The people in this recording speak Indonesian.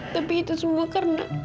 tapi itu semua karena